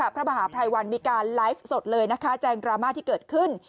พระมหาภัยวันมีการไลฟ์สดเลยนะคะแจงดราม่าที่เกิดขึ้น